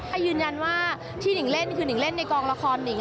ยืนยันว่าที่หนิงเล่นคือหนิงเล่นในกองละครหนิง